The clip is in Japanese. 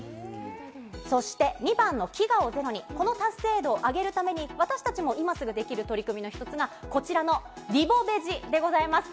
そして、２番の飢餓をゼロに、この達成度を上げるために、私たちも今すぐできる取り組みの一つが、こちらのリボベジでございます。